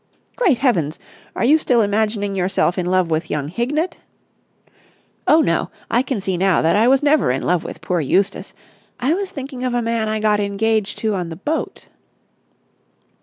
"Great Heavens! Are you still imagining yourself in love with young Hignett?" "Oh, no! I can see now that I was never in love with poor Eustace. I was thinking of a man I got engaged to on the boat!"